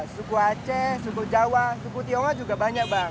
suku aceh suku jawa suku tionghoa juga banyak bang